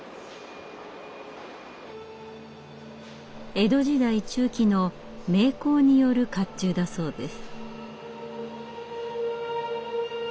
江戸時代中期の名工による甲冑だそうです。